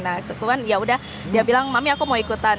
nah cuman yaudah dia bilang mami aku mau ikutan